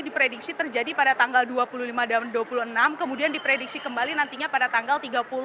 diprediksi terjadi pada tanggal dua puluh lima dan dua puluh enam kemudian diprediksi kembali nantinya pada tanggal tiga puluh